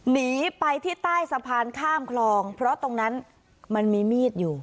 หนีไปที่ใต้สะพานข้ามคลองเพราะตรงนั้นมันมีมีดอยู่